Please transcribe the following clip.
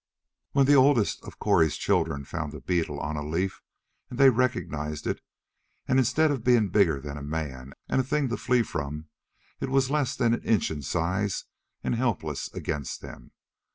When the oldest of Cori's children found a beetle on a leaf, and they recognized it, and instead of being bigger than a man and a thing to flee from, it was less than an inch in size and helpless against them